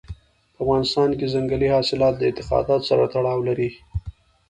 په افغانستان کې ځنګلي حاصلات له اعتقاداتو سره تړاو لري.